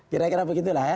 kira kira begitu lah ya